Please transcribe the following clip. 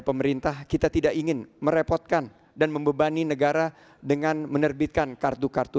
pemerintah kita tidak ingin merepotkan dan membebani negara dengan menerbitkan kartu kartu